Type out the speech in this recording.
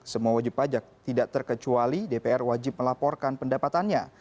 semua wajib pajak tidak terkecuali dpr wajib melaporkan pendapatannya